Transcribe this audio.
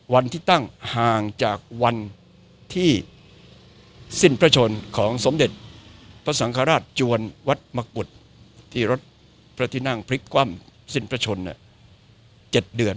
วันที่ตั้งห่างจากวันที่สิ้นพระชนของสมเด็จพระสังฆราชจวนวัดมะกุฎที่รถพระที่นั่งพลิกคว่ำสิ้นพระชน๗เดือน